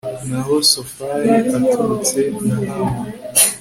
naho sofari aturutse nahama